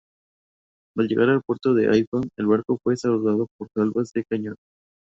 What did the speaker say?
Al llegar al puerto de Haifa, el barco fue saludado por salvas de cañón.